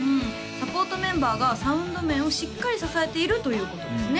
サポートメンバーがサウンド面をしっかり支えているということですね